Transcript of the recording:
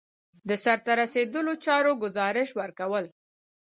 د سرته رسیدلو چارو ګزارش ورکول.